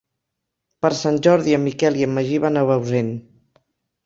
Per Sant Jordi en Miquel i en Magí van a Bausen.